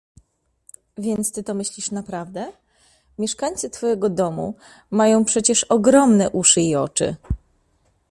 — Więc ty to myślisz naprawdę? Mieszkańcy twojego domu mają przecież ogromne uszy i oczy.